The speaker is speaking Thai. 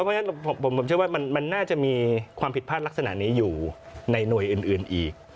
เพราะฉะนั้นผมเชื่อว่ามันน่าจะมีความผิดพลาดลักษณะนี้อยู่ในหน่วยอื่นอีก